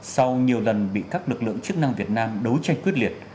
sau nhiều lần bị các lực lượng chức năng việt nam đấu tranh quyết liệt